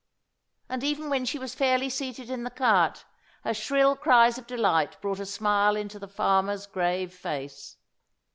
And even when she was fairly seated in the cart, her shrill cries of delight brought a smile into the farmer's grave face.